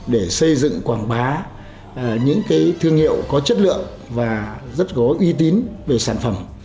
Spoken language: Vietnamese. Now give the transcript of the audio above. để xây dựng quảng bá những thương hiệu có chất lượng và rất có uy tín về sản phẩm